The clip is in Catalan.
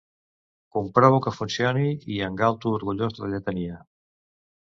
Comprovo que funcioni i engalto orgullós la lletania.